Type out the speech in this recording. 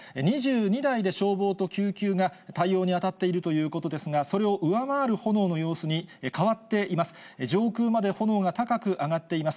２２台で消防と救急が対応に当たっているということですが、それを上回る炎の様子に変わっています。